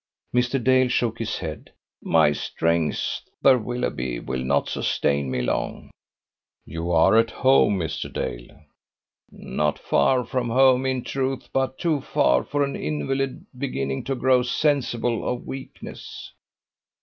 Mr. Dale shook his head. "My strength, Sir Willoughby, will not sustain me long." "You are at home, Mr. Dale." "Not far from home, in truth, but too far for an invalid beginning to grow sensible of weakness."